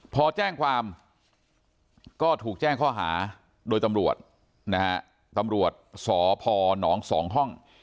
พอแจ้งความก็ถูกแจ้งข้อหาโดยตำรวจนะฮะตำรวจตำรวจสพหนองสองห้อง